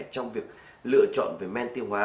trong việc lựa chọn về men tiêu hóa